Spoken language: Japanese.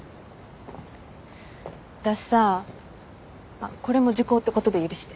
あっこれも時効ってことで許して。